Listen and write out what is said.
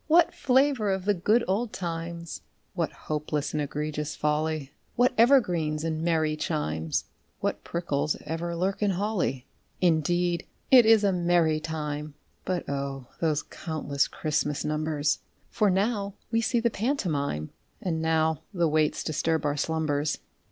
_) What flavour of the good old times! (What hopeless and egregious folly!) What evergreens and merry chimes! (What prickles ever lurk in holly!) Indeed it is a merry time; (But O! those countless Christmas numbers!) For now we see the pantomime, (_And now the waits disturb our slumbers.